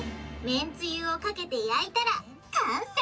めんつゆをかけて焼いたら完成！